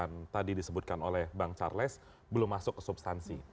yang tadi disebutkan oleh bang charles belum masuk ke substansi